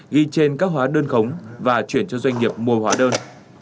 ghi trên các hóa đơn khống và chuyển cho doanh nghiệp mua hóa đơn